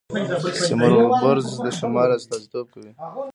سیمرغ البرز د شمال استازیتوب کوي.